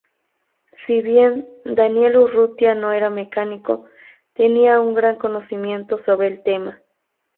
Si bien Daniel Urrutia no era mecánico, tenía un gran conocimiento sobre el tema.